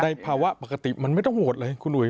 ภาวะปกติมันไม่ต้องโหดเลยคุณอุ๋ย